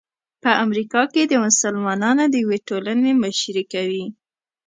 په امریکا کې د مسلمانانو د یوې ټولنې مشري کوي.